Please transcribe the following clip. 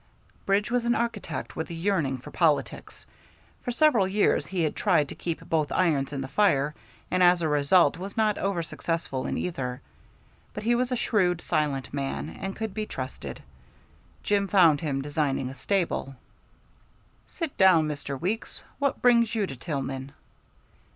Bridge was an architect with a yearning for politics. For several years he had tried to keep both irons in the fire, and as a result was not over successful in either. But he was a shrewd, silent man, and could be trusted. Jim found him designing a stable. "Sit down, Mr. Weeks. What brings you to Tillman?"